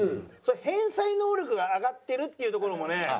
返済能力が上がってるっていうところもね。